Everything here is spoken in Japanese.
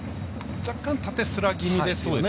若干、縦スラ気味ですね。